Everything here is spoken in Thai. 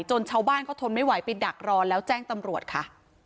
ชาวบ้านเขาทนไม่ไหวไปดักรอแล้วแจ้งตำรวจค่ะ